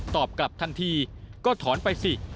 ตอบกลับทันทีก็ถอนไปสิ